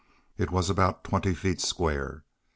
It was about twenty feet square.